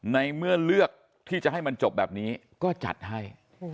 ในเมื่อเลือกที่จะให้มันจบแบบนี้ก็จัดให้